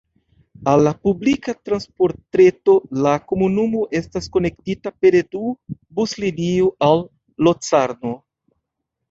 Al la publika transportreto la komunumo estas konektita pere du buslinio al Locarno.